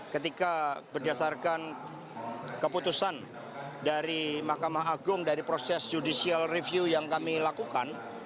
ketika berdasarkan keputusan dari mahkamah agung dari proses judicial review yang kami lakukan